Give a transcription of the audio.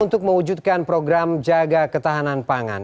untuk mewujudkan program jaga ketahanan pangan